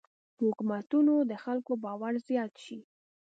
په حکومتونو د خلکو باور زیات شي.